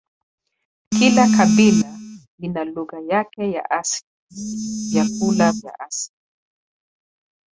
Kila kabila lina lugha yake ya asili vyakula vya asili